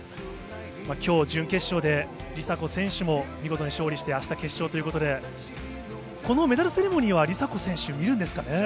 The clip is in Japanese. きょう、準決勝で梨紗子選手も見事に勝利してあした決勝ということで、このメダルセレモニーは梨紗子選手、見るんですかね。